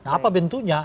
nah apa bentuknya